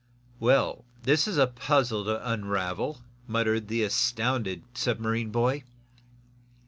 "Well, this is a puzzle to unravel!" muttered the astounded submarine boy.